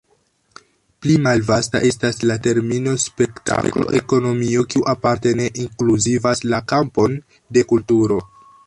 Pli malvasta estas la termino spektaklo-ekonomio, kiu aparte ne inkluzivas la kampon de kulturo.